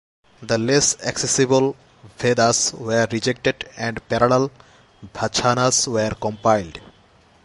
The less accessible Vedas were rejected and parallel Vachanas were compiled.